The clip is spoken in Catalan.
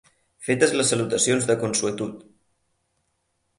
Fetes les salutacions de consuetud.